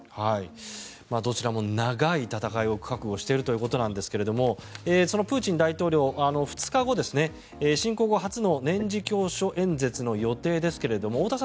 どちらも長い戦いを覚悟しているということですがそのプーチン大統領２日後、侵攻後初の年次教書演説の予定ですが太田さん